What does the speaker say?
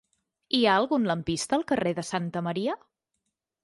Hi ha algun lampista al carrer de Santa Maria?